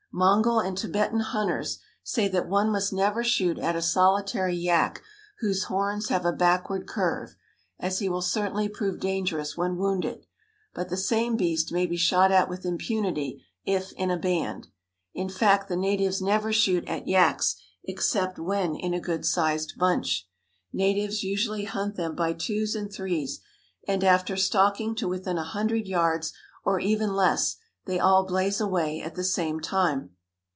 Mongol and Tibetan hunters say that one must never shoot at a solitary yak whose horns have a backward curve, as he will certainly prove dangerous when wounded; but the same beast may be shot at with impunity if in a band. In fact, the natives never shoot at yaks except when in a good sized bunch. Natives usually hunt them by twos and threes, and, after stalking to within a hundred yards or even less, they all blaze away at the same time.